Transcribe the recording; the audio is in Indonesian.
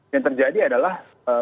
yang terjadi adalah